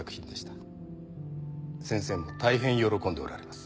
先生も大変喜んでおられます。